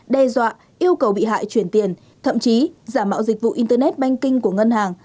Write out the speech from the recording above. đe dọa yêu cầu bị hại chuyển tiền thậm chí giả mạo dịch vụ internet banking của ngân hàng